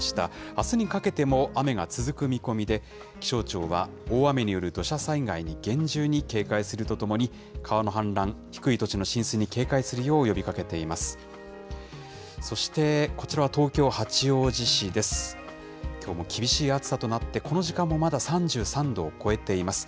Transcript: あすにかけても雨が続く見込みで、気象庁は、大雨による土砂災害に厳重に警戒するとともに、川の氾濫、低い土地の浸水に警戒するよう呼びかけています。